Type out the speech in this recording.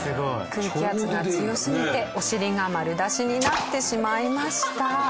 空気圧が強すぎてお尻が丸出しになってしまいました。